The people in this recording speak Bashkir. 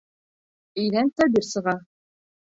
Өйҙән Сабир сыға.